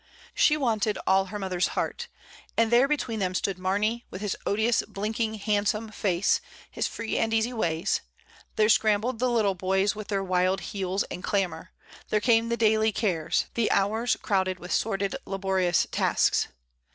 She wanted all her mother's heart, and there between them stood Mamey with his odious blinking handsome face, his free and easy ways; there scrambled the little boys with their wild heels and clamour, there came the daily cares, the hours crowded with sordid laborious tasks.